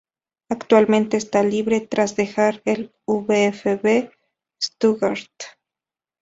Actualmente está libre tras dejar el VfB Stuttgart.